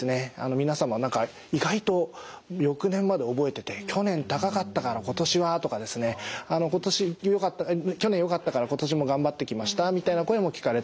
皆様何か意外と翌年まで覚えてて去年高かったから今年はとかですね去年よかったから今年も頑張ってきましたみたいな声も聞かれたようです。